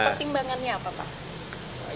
pertimbangannya apa pak